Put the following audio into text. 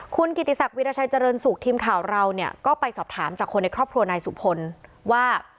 คุณกิติศักดิราชัยเจริญสุขทีมข่าวเราเนี่ยก็ไปสอบถามจากคนในครอบครัวนายสุพลว่า